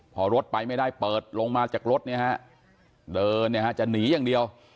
พอรถไปไม่ได้เปิดลงมาจากรถเนี่ยฮะเดินเนี่ยฮะจะหนีอย่างเดียว